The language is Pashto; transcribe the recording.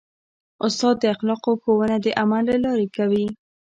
استاد د اخلاقو ښوونه د عمل له لارې کوي.